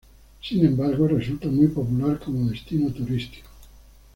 Sin embargo, resulta muy popular como destino turístico.